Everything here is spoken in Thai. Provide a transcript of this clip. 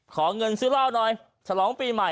ขอเงินซื้อเหล้าหน่อยฉลองปีใหม่